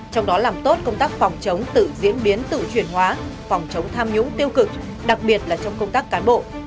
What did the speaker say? trong đó làm tốt công tác phòng chống tự diễn biến tự chuyển hóa phòng chống tham nhũng tiêu cực đặc biệt là trong công tác cán bộ